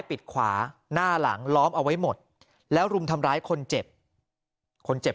ปิดขวาหน้าหลังล้อมเอาไว้หมดแล้วรุมทำร้ายคนเจ็บคนเจ็บ